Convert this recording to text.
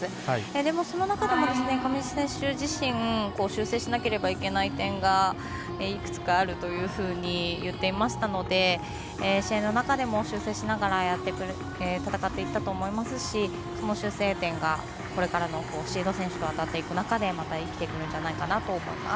でも、その中でも上地選手自身修正しなければいけない点がいくつかあるというふうに言っていましたので試合の中でも修正しながら戦っていくと思いますしその修正点が、これからシード選手と当たっていく中でまた生きてくるんじゃないかなと思います。